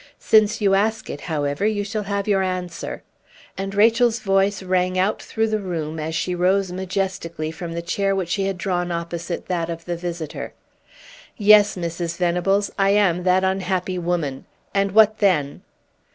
Since you ask it, however, you shall have your answer." And Rachel's voice rang out through the room, as she rose majestically from the chair which she had drawn opposite that of the visitor. "Yes, Mrs. Venables, I am that unhappy woman. And what then?"